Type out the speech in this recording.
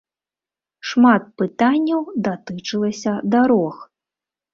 Шмат пытанняў датычылася дарог.